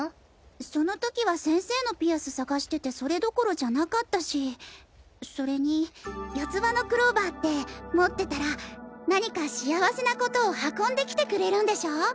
その時は先生のピアス探しててそれどころじゃなかったしそれに四つ葉のクローバーって持ってたら何か幸せなコトを運んで来てくれるんでしょ？